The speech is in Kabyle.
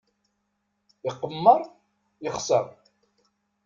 Iqemmer, yexser.